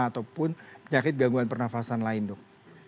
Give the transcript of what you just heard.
ataupun penyakit gangguan pernafasan lain dok